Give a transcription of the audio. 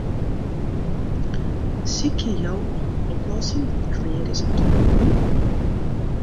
Sykje jo om in oplossing dy't klear is om te brûken?